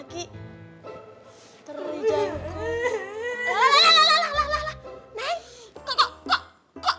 dia selalu menolak